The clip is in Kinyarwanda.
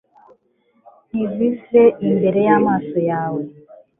Ntibive imbere yamaso yawe